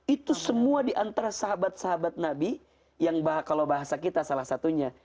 itu semua diantara sahabat sahabat nabi yang kalau bahasa kita salah satunya